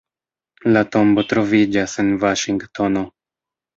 La tombo troviĝas en Vaŝingtono.